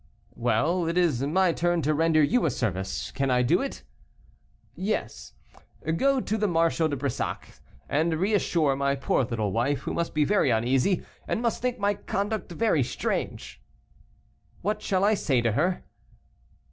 "Well, it is my turn to render you a service: can I do it?" "Yes, go to the Marshal de Brissac's, and reassure my poor little wife, who must be very uneasy, and must think my conduct very strange." "What shall I say to her?"